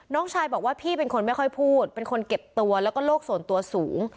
น้องชายบอกว่าพี่เป็นคนไม่ค่อยพูดเป็นคนเก็บตัวแล้วก็โลกส่วนตัวสูง